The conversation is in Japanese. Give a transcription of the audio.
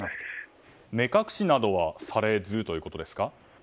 目隠しなどはされずということですか？